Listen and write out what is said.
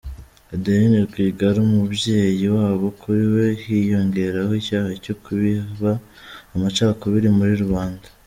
Adeline Rwigara, Umubyeyi wabo kuri we hiyongeraho icyaha cyo kubiba amacakubiri muri rubanda.